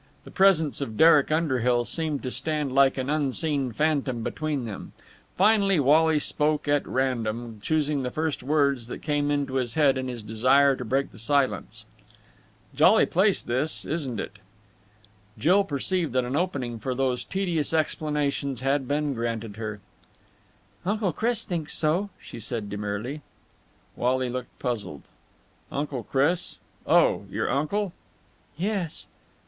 The presence of Derek Underhill seemed to stand like an unseen phantom between them. Finally Wally spoke at random, choosing the first words that came into his head in his desire to break the silence. "Jolly place, this, isn't it?" Jill perceived that an opening for those tedious explanations had been granted her. "Uncle Chris thinks so," she said demurely. Wally looked puzzled. "Uncle Chris? Oh, your uncle?" "Yes."